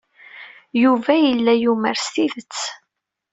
Yuba yella yumar s tidet.